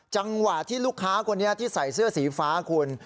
จังหวะที่ลูกค้าคนนี้ที่ใส่เสื้อสีฟ้าคุณ